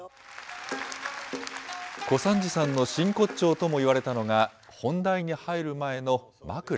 小三治さんの真骨頂ともいわれたのが、本題に入る前のまくら。